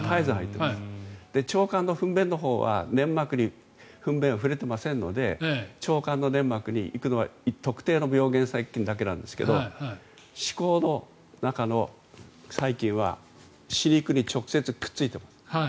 腸管の糞便のほうは粘膜に糞便は触れていませんので腸管の粘膜に行くのは特定の病原細菌だけなんですが歯垢の中の細菌は歯肉に直接くっついています。